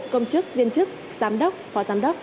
công chức viên chức giám đốc phó giám đốc